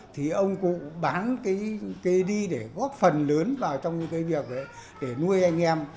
thì ông cụ bán cái đi để góp phần lớn vào trong cái việc để nuôi anh em